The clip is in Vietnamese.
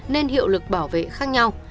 nên hiệu lực bảo vệ khác nhau